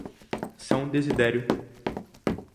São Desidério